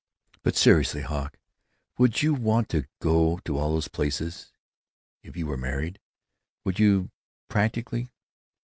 "But seriously, Hawk, would you want to go to all those places, if you were married? Would you, practically?